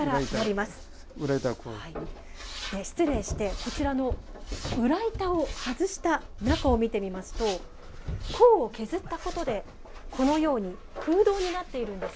で失礼してこちらの裏板を外した中を見てみますと甲を削ったことでこのように空洞になっているんです。